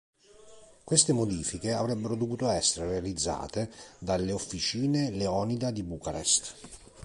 Queste modifiche avrebbero dovuto essere realizzate dalle officine Leonida di Bucarest.